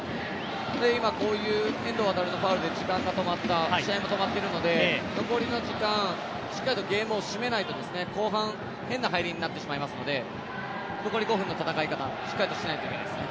今、こういう遠藤航のファウルで時間が止まった、試合も止まっているので残りの時間、しっかりとゲームを締めないと後半、変な入りになってしまいますので、残り５分の戦い方しっかりとしないといけないですね。